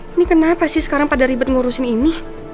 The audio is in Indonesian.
ini kenapa sih sekarang pada ribet ngurusin ini